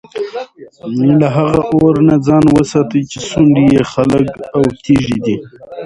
له هغه اور نه ځان وساتئ چي سوند ئې خلك او تيږي دي